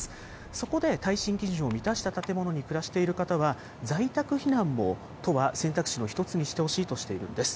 そこで耐震基準を満たした建物に暮らしている方は、在宅避難も都は選択肢の１つにしてほしいとしているんです。